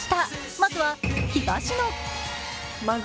まずは東野。